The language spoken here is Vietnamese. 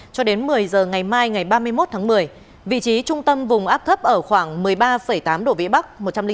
cho đến một mươi giờ ngày mai ngày ba mươi một tháng một mươi vị trí trung tâm vùng áp thấp ở khoảng một mươi ba tám độ vĩ bắc